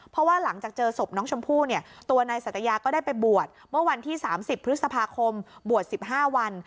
เพราะว่าหลังจากเจอศพน้องชมพู่เนี่ยตัวนายสัตยาก็ได้ไปบวชเมื่อวันที่๓๐พฤษภาคมบวช๑๕วัน